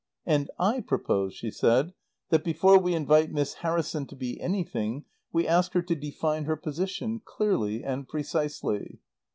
"And I propose," she said, "that before we invite Miss Harrison to be anything we ask her to define her position clearly and precisely."